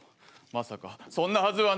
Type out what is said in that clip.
まさかそんなはずはない！